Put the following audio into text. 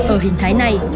ở hình thái này